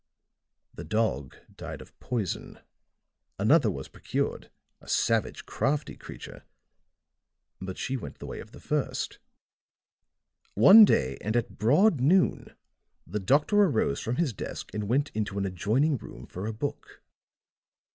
The dog died of poison; another was procured, a savage, crafty creature; but she went the way of the first. One day, and at broad noon, the doctor arose from his desk and went into an adjoining room for a book.